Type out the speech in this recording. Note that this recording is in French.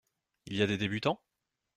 Il y a des débutants ?